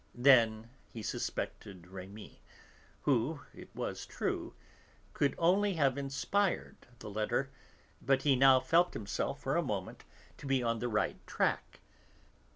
Then he suspected Rémi, who, it was true, could only have inspired the letter, but he now felt himself, for a moment, to be on the right track.